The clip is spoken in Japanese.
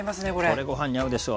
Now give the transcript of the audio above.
これご飯に合うでしょ。